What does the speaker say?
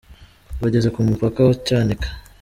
Bageze ku mupaka wa Cyanika.